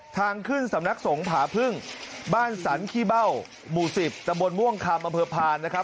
ทางขึ้นสำนักสงผาพึ่งบ้านสรรขี้เบ้าหมู่๑๐ตำบลม่วงคำอำเภอพานนะครับ